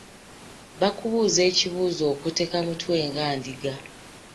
Bakubuuza ekibuuzo okoteka mutwe nga ndiga.